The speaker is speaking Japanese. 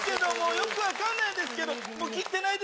よく分かんないですけどもう切ってないですけど。